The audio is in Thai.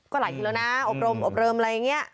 ก็หลายทีแล้วนะอบรมอบรมอะไรอย่างนี้